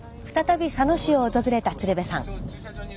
再び佐野市を訪れた鶴瓶さん。